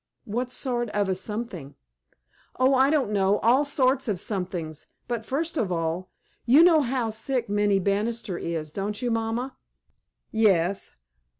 "What sort of a something?" "Oh, I don't know. All sorts of somethings; but, first of all you know how sick Minnie Banister is, don't you, mamma?" "Yes."